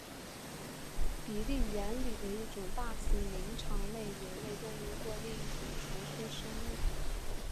比利猿里的一种大型灵长类猿类动物或另一种传说生物。